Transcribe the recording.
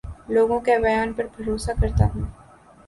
لوگوں کے بیان پر بھروسہ کرتا ہوں